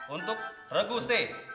untuk regu c